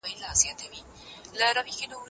مصنوعي ځيرکتيا پښتو زده کوي.